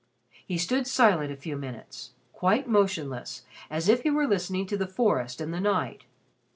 He stood silent a few minutes quite motionless as if he were listening to the forest and the night.